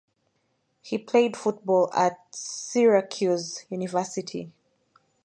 He played college football at Syracuse University.